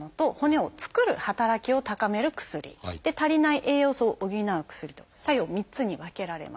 骨を作る働きを高める薬足りない栄養素を補う薬と作用３つに分けられます。